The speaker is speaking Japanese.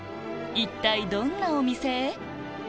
一体どんなお店？